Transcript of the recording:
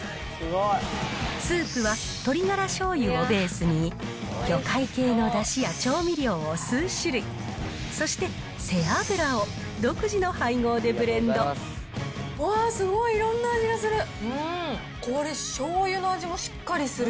スープは鶏ガラしょうゆをベースに、魚介系のだしや調味料を数種類、そして背脂を独自の配合でブレンうわー、すごい、いろんな味がする。